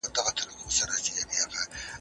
ماشوم د مور په غېږ کې خپلې سترګې پټې کړې.